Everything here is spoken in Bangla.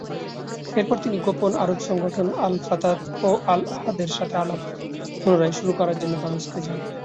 এরপর তিনি গোপন আরব সংগঠন আল-ফাতাত ও আল-আহাদের সাথে আলাপ পুনরায় শুরু করার জন্য দামেস্ক যান।